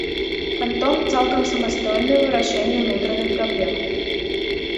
Кантон цалкам самастойны ў вырашэнні ўнутраных праблем.